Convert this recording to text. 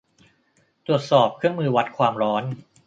ตรวจสอบเครื่องมือวัดความร้อน